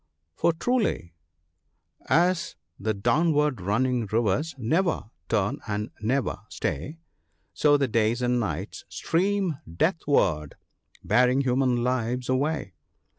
For truly — "As the downwa>\i running rivers never turn and never stay, So the days and nights stream deathward, bearing human lives away."